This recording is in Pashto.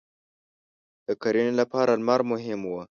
• د کرنې لپاره لمر مهم و.